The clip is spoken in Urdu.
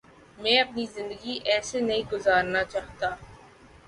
میں اپنی زندگی ایسے نہیں گزارنا چاہتا